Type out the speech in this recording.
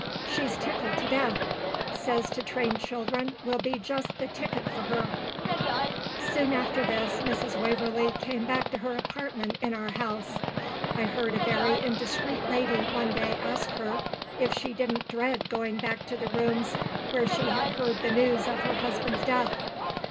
"She's tickled to death. Says to train children will be just the ticket for her." Soon after this, Mrs. Waverlee came back to her apartment in our house. I heard a very indiscreet lady one day ask her if she didn't dread going back to the rooms where she had heard the news of her husband's death.